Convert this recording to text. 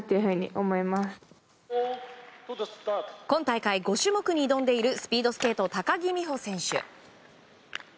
今大会５種目に挑んでいるスピードスケート高木美帆選手。